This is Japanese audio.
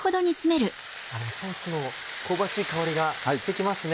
ソースの香ばしい香りがしてきますね。